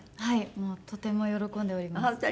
はいもうとても喜んでおります。